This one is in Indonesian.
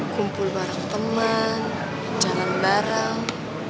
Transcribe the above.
kumpul bareng teman jalan bareng